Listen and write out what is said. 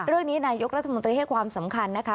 เรื่องนี้นายกรัฐมนตรีให้ความสำคัญนะคะ